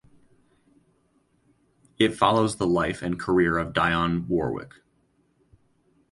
It follows the life and career of Dionne Warwick.